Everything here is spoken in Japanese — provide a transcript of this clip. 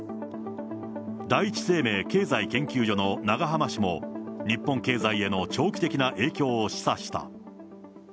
第一生命経済研究所の永濱氏も、日本経済への長期的な影響を示唆した。